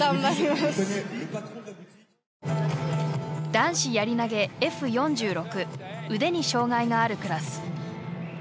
男子やり投げＦ４６腕に障がいがあるクラス。